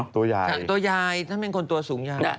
ตัวยายนั่นเป็นคนตัวสูงยาน